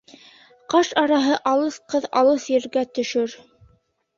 Ҡаш араһы алыҫ ҡыҙ алыҫ ергә төшөр